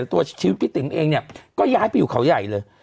ตัวชีวิตพี่ติ๋มเองเนี่ยก็ย้ายไปอยู่เขาใหญ่เลย